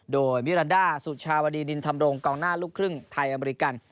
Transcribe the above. โดยมิรันดาสุชาวดีนินธรรมรงกองหน้าลูกครึ่งไทยอเมริกัน